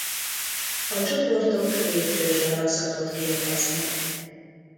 A csoportok lépcsős alakzatot képeznek.